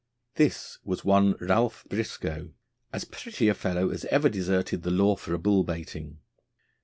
This was one Ralph Briscoe, as pretty a fellow as ever deserted the law for a bull baiting.